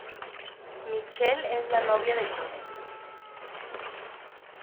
Michelle es la novia de Tony.